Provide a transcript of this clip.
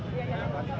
adalah ayu singkir